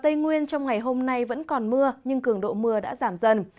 tây nguyên trong ngày hôm nay vẫn còn mưa nhưng cường độ mưa đã giảm dần